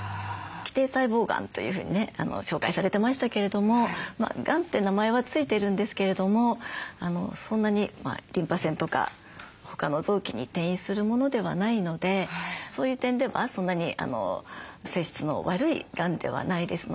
基底細胞がんというふうにね紹介されてましたけれどもがんって名前は付いてるんですけれどもそんなにリンパ腺とか他の臓器に転移するものではないのでそういう点ではそんなに性質の悪いがんではないですので。